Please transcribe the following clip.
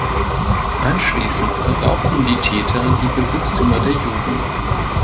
Anschließend raubten die Täter die Besitztümer der Juden.